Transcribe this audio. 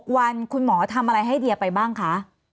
วันคุณหมอทำอะไรให้เดียไปบ้างคะ